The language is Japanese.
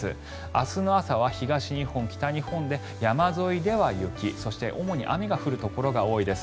明日の朝は東日本、北日本で山沿いでは雪そして、主に雨が降るところが多いです。